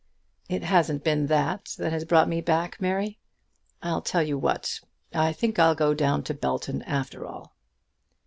"It hasn't been that that has brought me back, Mary. I'll tell you what. I think I'll go down to Belton after all."